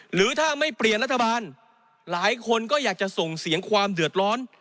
หรือถ้าไม่เปลี่ยนรัฐบาลหลายคนก็อยากจะส่งเสียงความเดือดร้อน